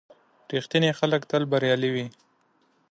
• رښتیني خلک تل بریالي وي.